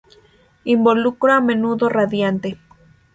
Involucro a menudo radiante.